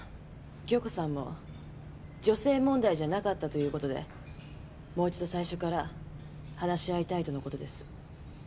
京子さんも女性問題じゃなかったということでもう一度最初から話し合いたいとのことです。